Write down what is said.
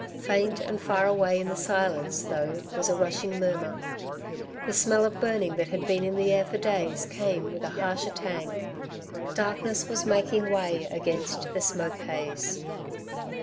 Faint and far away in the silence though was a rushing murmur. The smell of burning that had been in the air for days came with a harsher tang. Darkness was making way against the smoke haze.